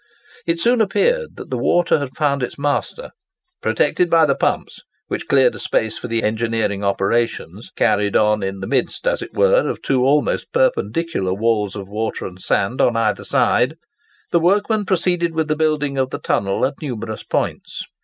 It soon appeared that the water had found its master. Protected by the pumps, which cleared a space for the engineering operations—carried on in the midst, as it were, of two almost perpendicular walls of water and sand on either side—the workmen proceeded with the building of the tunnel at numerous points.